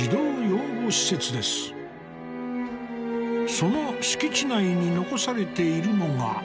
その敷地内に残されているのが。